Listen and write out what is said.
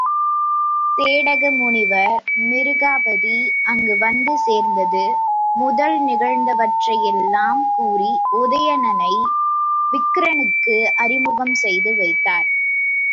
சேடக முனிவர் மிருகாபதி அங்கு வந்து சேர்ந்தது முதல் நிகழ்ந்தவற்றையெல்லாம் கூறி, உதயணனை விக்கிரனுக்கு அறிமுகம் செய்து வைத்தார்.